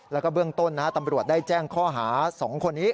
แล้วก็เบื้องต้นตำรวจได้แจ้งข้อหา๒คนนี้